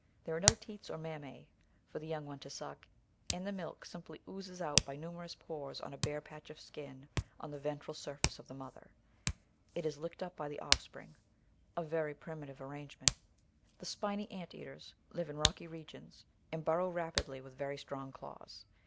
There are no teats or mammse for the young one to suck, and the milk simply oozes out by numerous pores on a bare patch of skin on the ventral surface of the mother. It is licked up by the offspring — a very primitive arrangement. The Spiny Ant eaters live in rocky regions and burrow 454 The Outline of Science rapidly with very strong claws.